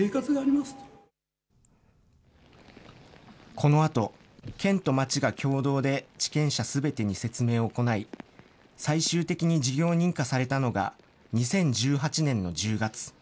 このあと、県と町が共同で地権者すべてに説明を行い、最終的に事業認可されたのが２０１８年の１０月。